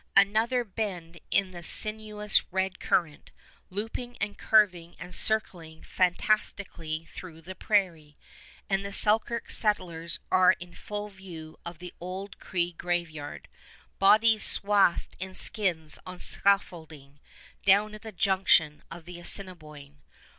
Another bend in the sinuous red current, looping and curving and circling fantastically through the prairie, and the Selkirk settlers are in full view of the old Cree graveyard, bodies swathed in skins on scaffolding, down at the junction of the Assiniboine.